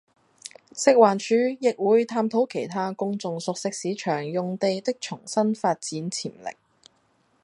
食環署亦會探討其他公眾熟食市場用地的重新發展潛力